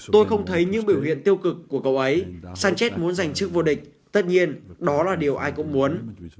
tôi không thấy những biểu hiện tiêu cực của cầu ấy sanchez muốn giành chức vô địch tất nhiên đó là điều ai cũng muốn